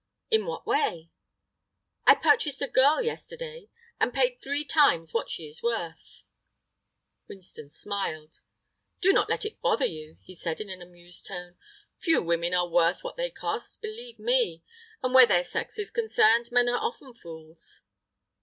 "In what way?" "I purchased a girl yesterday, and paid three times what she is worth." Winston smiled. "Do not let it bother you," he said, in an amused tone. "Few women are worth what they cost, believe me, and where their sex is concerned men are often fools."